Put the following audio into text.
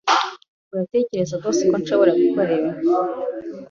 Uratekereza rwose ko nshobora gukora ibi?